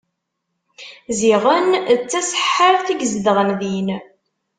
Ziɣen d taseḥḥart i izedɣen din.